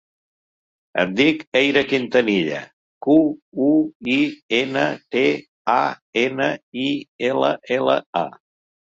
Em dic Eyra Quintanilla: cu, u, i, ena, te, a, ena, i, ela, ela, a.